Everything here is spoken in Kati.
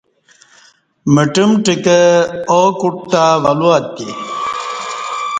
مٹمٹہ کہ ا کوٹ تہ ولو اتےّ